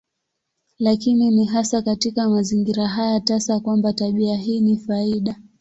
Lakini ni hasa katika mazingira haya tasa kwamba tabia hii ni faida.